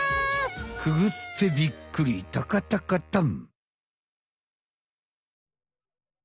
くぐってびっくりタカタカタン。